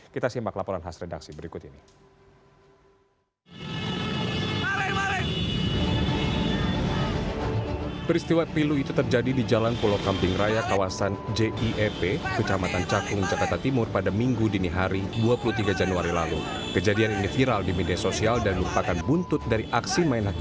kita simak laporan khas redaksi berikut ini